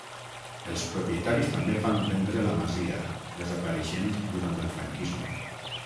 Els propietaris també van vendre la masia, desapareixent durant el franquisme.